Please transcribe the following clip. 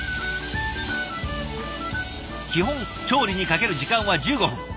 基本調理にかける時間は１５分。